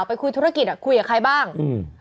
ไปคุยธุรกิจอ่ะคุยกับใครบ้างอืม